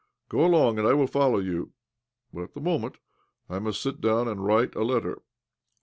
Go along, and I will follow you; but at the moment I must sit down and write a letter."